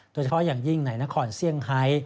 โดยเฉพาะอย่างยิ่งในนครเซี่ยงไฮ